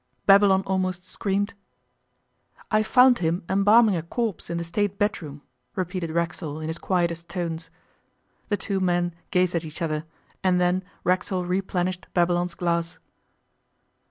Babylon almost screamed. 'I found him embalming a corpse in the State bedroom,' repeated Racksole in his quietest tones. The two men gazed at each other, and then Racksole replenished Babylon's glass.